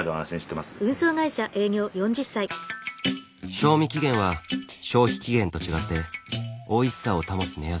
賞味期限は消費期限と違っておいしさを保つ目安。